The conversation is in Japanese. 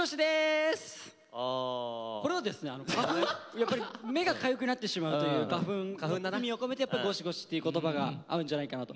やっぱり目がかゆくなってしまうという花粉の意味を込めてゴシゴシっていう言葉が合うんじゃないかなと。